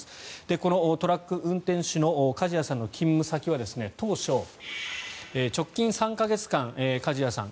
このトラック運転手の梶谷さんの勤務先は当初、直近３か月間梶谷さん